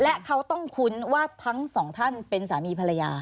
และเขาต้องคุ้นว่าทั้งสองท่านเป็นสามีภรรยา